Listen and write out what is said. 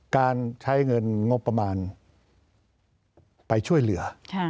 การใช้เงินงบประมาณไปช่วยเหลือ